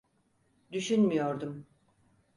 Düşünmüyordum.